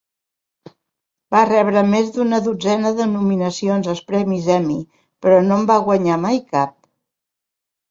Va rebre més d'una dotzena de nominacions als premis Emmy, però no en va guanyar mai cap.